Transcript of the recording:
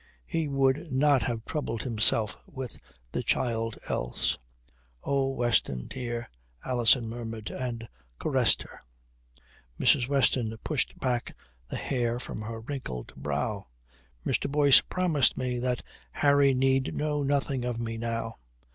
He would not have troubled himself with the child else." "Oh, Weston, dear," Alison murmured, and caressed her. Mrs. Weston pushed back the hair from her wrinkled brow. "Mr. Boyce promised me that Harry need know nothing of me now.